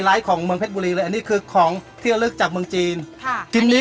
ลองปั๊มดูมันจะพอดีกันเลย